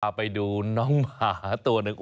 เอาไปดูน้องหมาตัวหนึ่ง